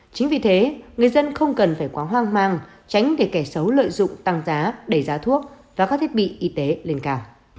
chính vì thế người dân không cần phải quá hoang mang tránh để kẻ xấu lợi dụng tăng giá đẩy giá thuốc và các thiết bị y tế lên cả